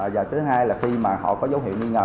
và thứ hai là khi mà họ có dấu hiệu nghi ngờ